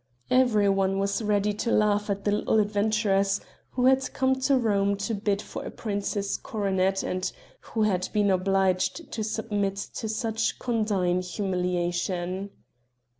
Every one was ready to laugh at the "little adventuress" who had come to Rome to bid for a prince's coronet and who had been obliged to submit to such condign humiliation.